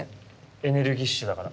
エネルギッシュだから。